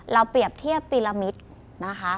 เปรียบเทียบปีละมิตรนะคะ